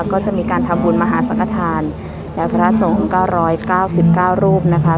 ก็จะมีการทำบุญมหาสังฆฐานและพระราชสงฆ์เก้าร้อยเก้าสิบเก้ารูปนะคะ